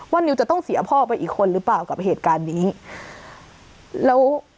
นิวจะต้องเสียพ่อไปอีกคนหรือเปล่ากับเหตุการณ์นี้แล้ว